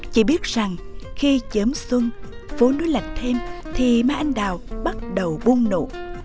chỉ biết rằng khi chớm xuân phố núi lạnh thêm thì mai anh đào bắt đầu buông nổ